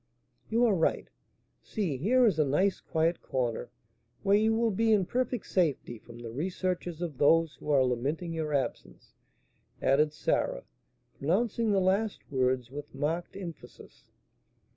"You are right; see, here is a nice quiet corner, where you will be in perfect safety from the researches of those who are lamenting your absence," added Sarah, pronouncing the last words with marked emphasis.